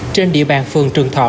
trên địa bàn phường trường thọ